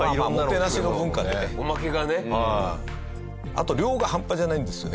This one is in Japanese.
あと量が半端じゃないんですよね。